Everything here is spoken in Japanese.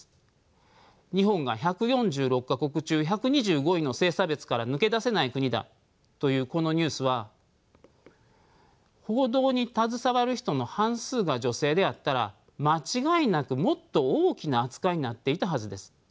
日本が１４６か国中１２５位の性差別から抜け出せない国だというこのニュースは報道に携わる人の半数が女性であったら間違いなくもっと大きな扱いになっていたはずです。